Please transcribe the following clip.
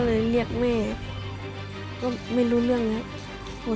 เลยเรียกแม่ก็ไม่รู้เรื่องครับ